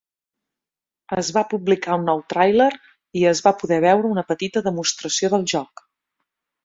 Es va publicar un nou tràiler i es va poder veure una petita demostració del joc.